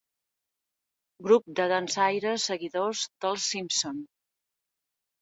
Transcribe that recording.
Grup de dansaires seguidors dels Simpson.